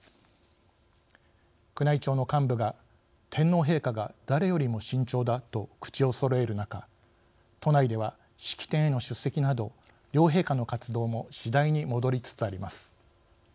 宮内庁の幹部が「天皇陛下が誰よりも慎重だ」と口をそろえる中都内では式典への出席など両陛下の活動も次第に戻りつつあります。